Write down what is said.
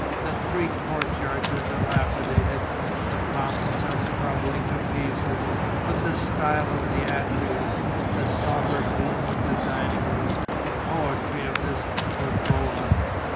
The three courtyards are dilapidated, the fountains are crumbling to pieces ... but the style of the atrio, the sombre gloom of the dining room, the poetry of this pergola!...